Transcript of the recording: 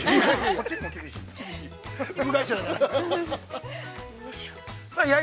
◆こっちにも厳しい。